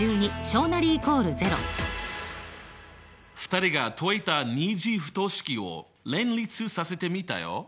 ２人が解いた２次不等式を連立させてみたよ。